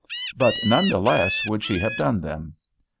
But none the less would she have done them.